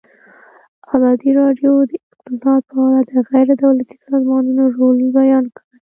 ازادي راډیو د اقتصاد په اړه د غیر دولتي سازمانونو رول بیان کړی.